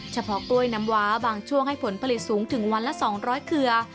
เฉพาะกล้วยน้ำว้าบางช่วงให้ผลผลิตสูงถึงวันละ๒๐๐เครือ